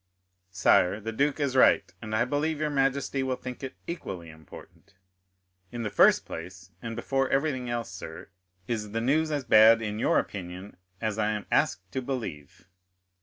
"Sire, the duke is right, and I believe your majesty will think it equally important." 0137m "In the first place, and before everything else, sir, is the news as bad in your opinion as I am asked to believe?"